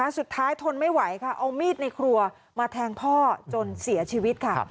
ทนไม่ไหวค่ะเอามีดในครัวมาแทงพ่อจนเสียชีวิตค่ะ